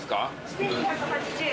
１，２８０円。